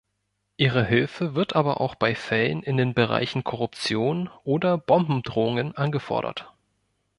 Ihre Hilfe wird aber auch bei Fällen in den Bereichen Korruption oder Bombendrohungen angefordert.